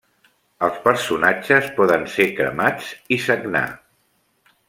Els personatges poden ser cremats i sagnar.